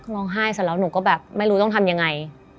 ร้องไห้เสร็จแล้วหนูก็แบบไม่รู้ต้องทำยังไง